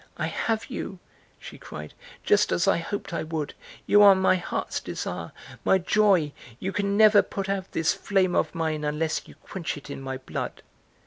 "I have you," she cried, "just as I hoped I would; you are my heart's desire, my joy, you can never put out this flame of mine unless you quench it in my blood!"